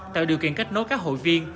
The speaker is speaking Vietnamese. tạo điều kiện kết nối các hội viên